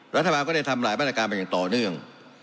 รัฐบาลก็ได้ทำหลายมาตรการมาอย่างต่อเนื่อง